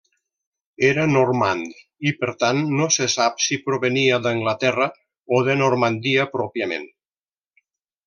Era normand i, per tant, no se sap si provenia d'Anglaterra o de Normandia pròpiament.